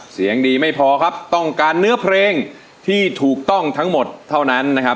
เสียงดีไม่พอครับต้องการเนื้อเพลงที่ถูกต้องทั้งหมดเท่านั้นนะครับ